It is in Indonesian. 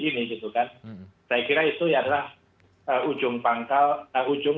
ini gitu kan saya kira itu adalah ujung pangkal ujung